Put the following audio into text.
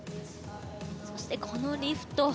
そして、このリフト。